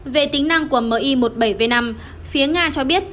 về tính năng của mi một mươi bảy v năm phía nga cho biết